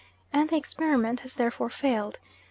and the experiment has therefore failed.